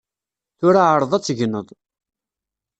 Tura ɛreḍ ad tegneḍ.